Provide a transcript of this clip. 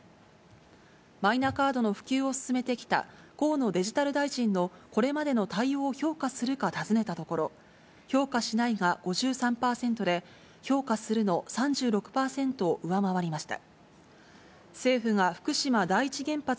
マイナカードの普及を進めてきた河野デジタル大臣のこれまでの対応を評価するか尋ねたところ、評価しないが５３％で、評価するの３６％を上回りました。